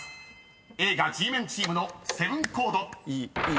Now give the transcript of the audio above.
［映画Ｇメンチームのセブンコード］